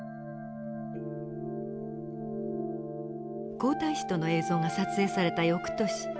皇太子との映像が撮影された翌年。